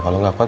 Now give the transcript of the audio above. kalau gak kuat